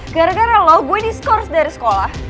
gara gara lo gue diskors dari sekolah